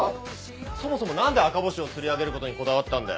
そもそも何で赤星をつり上げることにこだわったんだよ？